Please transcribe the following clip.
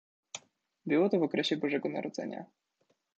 Było to w okresie Bożego Narodzenia.